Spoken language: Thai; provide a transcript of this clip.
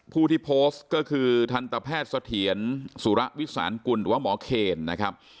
ผู้ที่โพสต์ก็คือทันตแพทย์เสถียรสุระวิสานกุลหรือว่าหมอเคนนะครับ